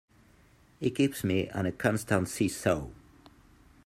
He keeps me on a constant see-saw.